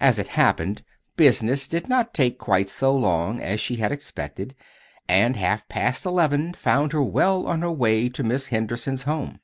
As it happened, business did not take quite so long as she had expected, and half past eleven found her well on her way to Miss Henderson's home.